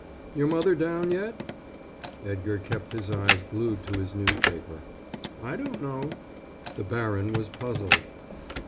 "Your mother down yet?" Edgar kept his eyes glued to his newspaper. "I don't know." The baron was puzzled.